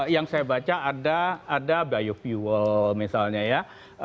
yang saya baca ada biofuel misalnya ya